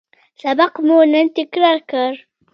سبق مو نن تکرار کړ